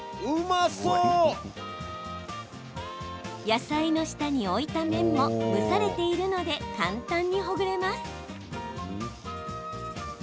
野菜の下に置いた麺も蒸されているので簡単にほぐれます。